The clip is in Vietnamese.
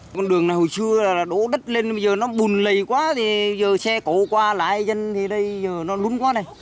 con đường này hồi xưa là đổ đất lên bây giờ nó bùn lầy quá thì giờ xe cổ qua lại dân thì đây giờ nó lúng quá này